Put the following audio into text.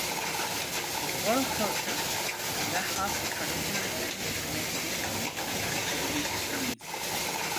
In world cultures, there have traditionally been many different groupings of religious belief.